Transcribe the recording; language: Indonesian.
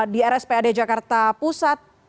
di rspad jakarta pusat